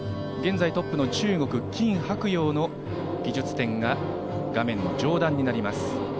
現在トップの中国、キン・ハクヨウの技術点が画面の上段になります。